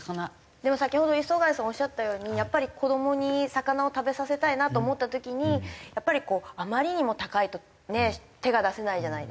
でも先ほど礒貝さんおっしゃったようにやっぱり子どもに魚を食べさせたいなと思った時にやっぱりこうあまりにも高いと手が出せないじゃないですか。